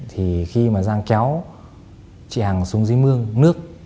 thì khi mà giang kéo chị hàng xuống dưới mương nước